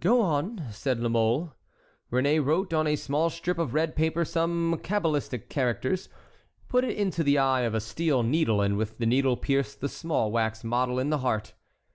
"Go on," said La Mole. Réné wrote on a small strip of red paper some cabalistic characters, put it into the eye of a steel needle, and with the needle pierced the small wax model in the heart.